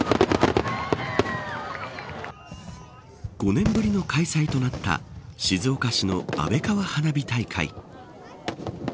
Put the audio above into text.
５年ぶりの開催となった静岡市の安倍川花火大会。